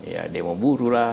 ya demo burulah